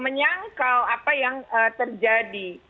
menyangkal apa yang terjadi